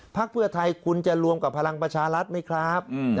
พักเพื่อไทยคุณจะรวมกับพลังประชารัฐไหมครับ